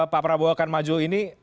pak prabowo akan maju ini